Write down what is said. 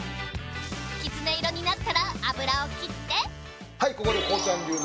きつね色になったら油を切ってはいここで。